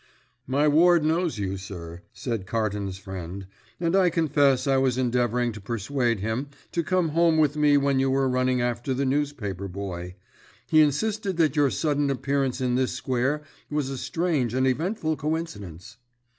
"My ward knows you, sir," said Carton's friend, "and I confess I was endeavouring to persuade him to come home with me when you were running after the newspaper boy. He insisted that your sudden appearance in this square was a strange and eventful coincidence."